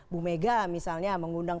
bu mega misalnya mengundang